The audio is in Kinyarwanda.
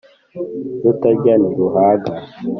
Rurarya ntiruhaga.